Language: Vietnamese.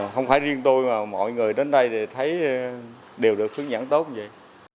không phải riêng tôi mà mọi người đến đây thì thấy đều được hướng dẫn tốt như vậy